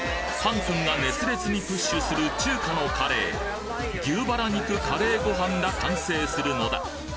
ＨＡＮ−ＫＵＮが熱烈にプッシュする中華のカレー牛バラ肉カレーご飯が完成するのだ！